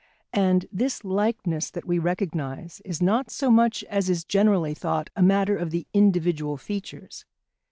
And this likeness that we recognise is not so much as is generally thought a matter of the individual features.